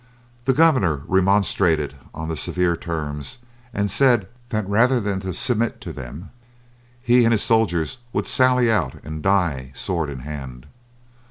The governor remonstrated on the severe terms, and said that rather than submit to them he and his soldiers would sally out and die sword in hand.